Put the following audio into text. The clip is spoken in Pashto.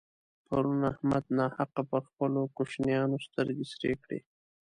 پرون احمد ناحقه پر خپلو کوشنيانو سترګې سرې کړې.